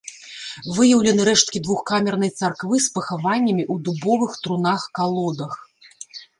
Выяўлены рэшткі двухкамернай царквы з пахаваннямі ў дубовых трунах-калодах.